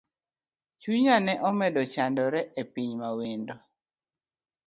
Chunya ne omedo chandore epiny mawendo.